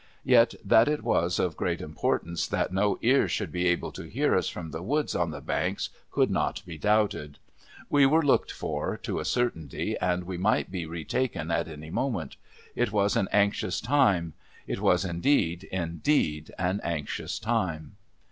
Yet, that it was of great importance that no ears should be able to hear us from the woods on the banks, could not be doubted. AVe were looked for, to a certainty, and we might be retaken at any moment. It was an anxious time ; it was, indeed, indeed, an anxious time.